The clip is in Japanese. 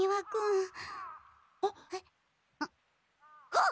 あっ！